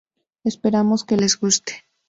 Esperamos que les guste!.